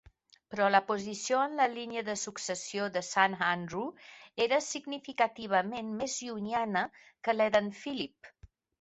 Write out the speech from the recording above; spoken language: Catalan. Però la posició en la línia de successió de Sant Andrew era significativament més llunyana que la d'en Phillip.